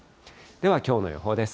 ではきょうの予報です。